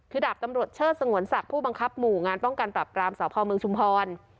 คือดาบตำรวจเชิดสงวนศักดิ์ผู้บังคับหมู่งานป้องกันปรับปรามสพเมืองชุมพร